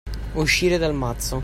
Uscire dal mazzo.